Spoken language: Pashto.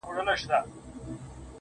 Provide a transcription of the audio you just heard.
o وموږ تې سپكاوى كاوه زموږ عزت يې اخيست.